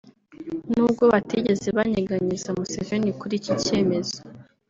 n’ubwo batigeze banyeganyeza Museveni kuri iki cyemezo